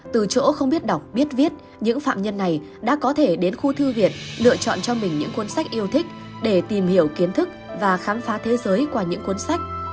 từ chỗ không biết đọc biết viết những phạm nhân này đã có thể đến khu thư viện lựa chọn cho mình những cuốn sách yêu thích để tìm hiểu kiến thức và khám phá thế giới qua những cuốn sách